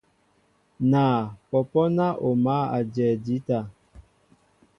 Naa , pɔ́pɔ́ ná o mǎl ajɛɛ jíta.